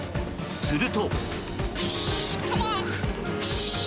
すると。